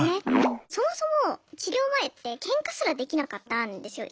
そもそも治療前ってケンカすらできなかったんですよ。